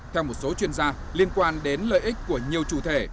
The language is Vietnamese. theo một số chuyên gia liên quan đến lợi ích của nhiều chủ thể